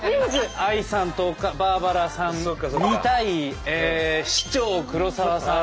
ＡＩさんとバーバラさんの２対市長黒沢さん